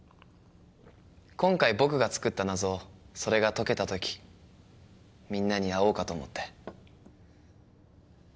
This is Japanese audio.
今回僕が作った謎それが解けた時みんなに会おうかと思って。